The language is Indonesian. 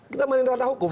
kita menerima hukum